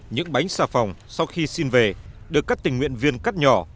những bánh xà phòng sau khi xin về được các tình nguyện viên cắt nhỏ